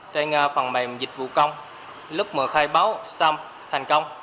trên phần mềm dịch vụ công lúc mở khai báo xong thành công